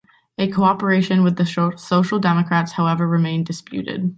A cooperation with the Social Democrats, however, remained disputed.